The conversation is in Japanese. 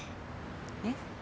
えっ？